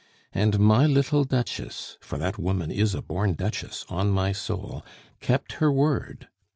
And my little duchess for that woman is a born duchess, on my soul! kept her word.